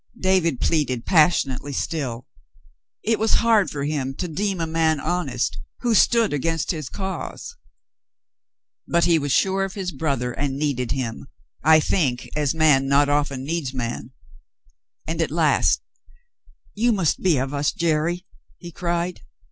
David pleaded passionately still. It was hard for him to deem a UPON THE USE OF A NOSE 75 man honest who stood against his cause. But he was sure of his brother, and needed him, I think, as man not often needs man. And at last : "You must be of us, Jerry!" he cried.